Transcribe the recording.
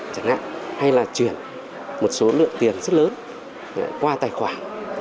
chẳng hạn hay là chuyển một số lượng tiền rất lớn qua tài khoản